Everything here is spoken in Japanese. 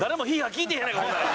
聞いてへんやないかほんなら。